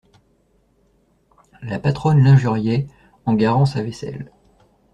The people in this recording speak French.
La patronne l'injuriait, en garant sa vaisselle.